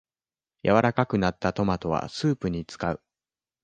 柔らかくなったトマトはスープに使う